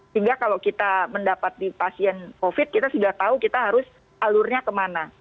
sehingga kalau kita mendapat di pasien covid kita sudah tahu kita harus alurnya kemana